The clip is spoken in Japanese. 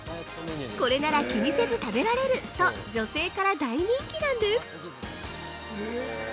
これなら気にせず食べられる！と女性から大人気なんです。